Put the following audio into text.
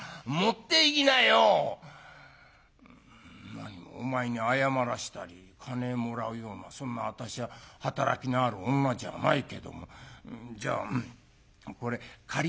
「なにもお前に謝らしたり金もらうようなそんな私は働きのある女じゃないけどもじゃこれ借りとくから」。